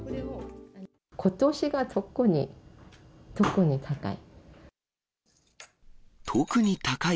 ことしが特に、特に高い。